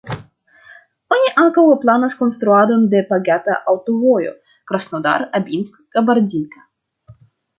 Oni ankaŭ planas konstruadon de pagata aŭtovojo Krasnodar-Abinsk-Kabardinka.